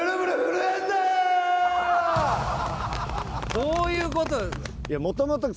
どういうこと？